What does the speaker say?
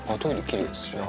きれいですね。